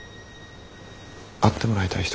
会ってもらいたい人がいる。